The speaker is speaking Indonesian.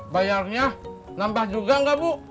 bayarnya nambah juga nggak bu